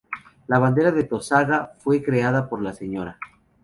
La bandera de Tosagua fue creada por la Sra.